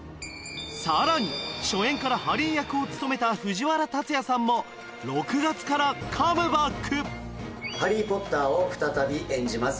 さらに初演からハリー役を務めた藤原竜也さんも６月からカムバックハリー・ポッターを再び演じます